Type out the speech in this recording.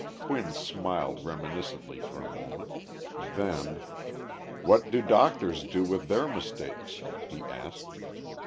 Quinn smiled reminiscently for a moment. Then, "What do doctors do with their mistakes?" he asked.